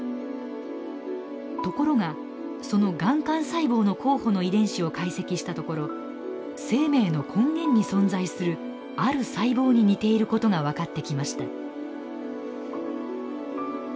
ところがそのがん幹細胞の候補の遺伝子を解析したところ生命の根源に存在するある細胞に似ていることが分かってきました。